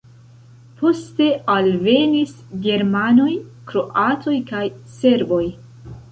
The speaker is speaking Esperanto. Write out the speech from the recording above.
Poste alvenis germanoj, kroatoj kaj serboj.